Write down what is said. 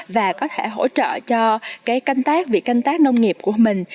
và có thể hỗ trợ cho cái canh tác việc canh tác nông nghiệp của mình